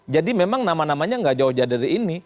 jadi memang nama namanya gak jauh jauh dari ini